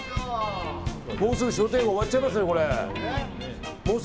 もうすぐ商店街終わっちゃいますよ。